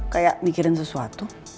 kayak mikirin seseorang